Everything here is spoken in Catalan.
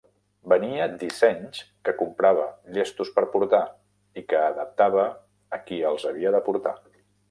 Venia dissenys que comprava llestos per portar, i que adaptava a qui els havia de portar.